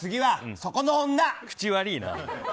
口が悪いな。